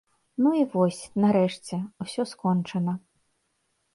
Ну і вось, нарэшце, усё скончана.